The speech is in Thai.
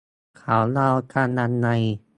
เขาเดากันยังไง